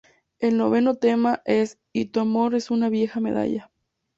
El noveno tema es "Y tu amor es una vieja medalla".